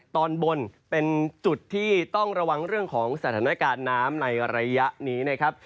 ตอนบนเป็นจุดที่ต้องระวังเรื่องของสถานการณ์น้ำในระยะนี้นะครับ